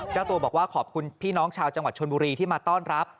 เจ้าตัวบอกว่าขอบคุณพี่น้องชาวจังหวัดชนบุรีที่มาต้อนรับ